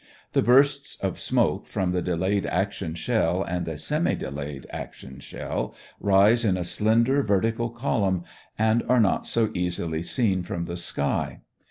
The bursts of smoke from the delayed action shell and the semi delayed action shell rise in a slender vertical column and are not so easily seen from the sky.